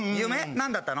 何だったの？